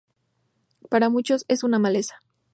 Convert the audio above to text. Para muchos es una maleza.